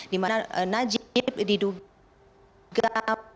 di mana najib diduga